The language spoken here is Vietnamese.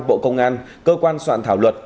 bộ công an cơ quan soạn thảo luật